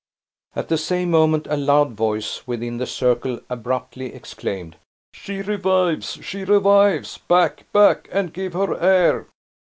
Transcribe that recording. At the same moment, a loud voice within the circle abruptly exclaimed "She revives, she revives! Back, back, and give her air!"